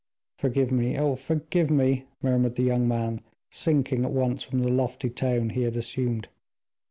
"Forgive me! oh, forgive me," murmured the young man, sinking at once from the lofty tone he had assumed.